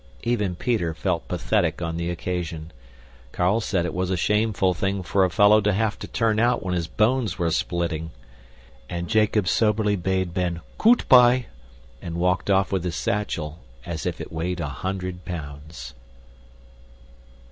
Even Peter felt pathetic on the occasion. Carl said it was a shameful thing for a fellow to have to turn out when his bones were splitting. And Jacob soberly bade Ben "Goot pye!" and walked off with his satchel as if it weighed a hundred pounds.